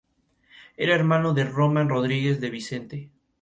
Era hermano de Román Rodríguez de Vicente.